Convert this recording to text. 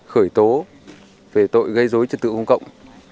khởi tố về tội gây dối trật tự công cộng